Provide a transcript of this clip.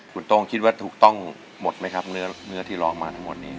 คุณโต้งคิดว่าถูกต้องหมดไหมครับเนื้อที่ร้องมาทั้งหมดนี้